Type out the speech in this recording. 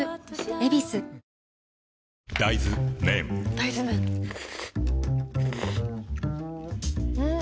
大豆麺ん？